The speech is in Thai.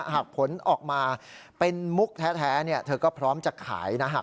ผลออกมาเป็นมุกแท้เธอก็พร้อมจะขายนะฮะ